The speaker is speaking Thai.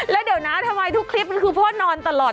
แล้วเดี๋ยวนะทำไมทุกคลิปมันคือพ่อนอนตลอด